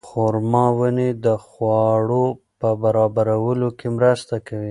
خورما ونې د خواړو په برابرولو کې مرسته کوي.